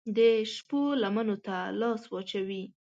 د شپو لمنو ته لاس واچوي